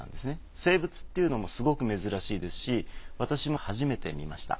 静物っていうのもすごく珍しいですし私も初めて見ました。